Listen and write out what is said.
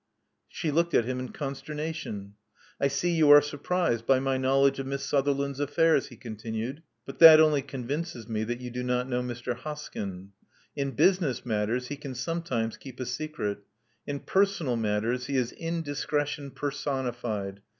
She looked at him in consternation. I see you are surprised by my knowledge of Miss Suther land's affairs," he continued. But that only con Love Among the Artists 311 vinces me that you do not know Mr. Hoskyn. In business matters he can sometimes keep a secret. In personal matters he is indiscretion personified.